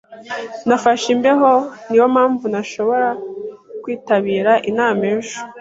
Nafashe imbeho. Niyo mpamvu ntashobora kwitabira inama ejo.